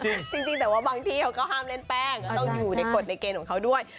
จริงแต่ว่าบางที่เขาก็ห้ามเล่นแป้งก็ต้องอยู่ในกฎในเกณฑ์ของเขาด้วย